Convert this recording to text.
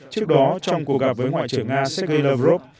trước đó trong cuộc gặp với ngoại trưởng nga sergei lavrov